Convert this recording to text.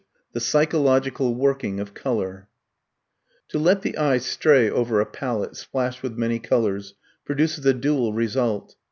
THE PSYCHOLOGICAL WORKING OF COLOUR To let the eye stray over a palette, splashed with many colours, produces a dual result.